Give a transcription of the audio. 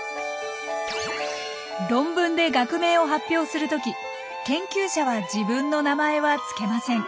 論文で学名を発表するとき研究者は自分の名前はつけません。